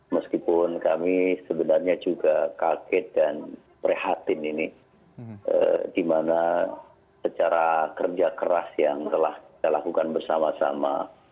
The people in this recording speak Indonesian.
meskipun kami sebenarnya juga kaget dan prihatin ini di mana secara kerja keras yang telah kita lakukan bersama sama